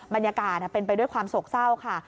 บรรยากาศเป็นไปด้วยความโศกเศร้าค่ะ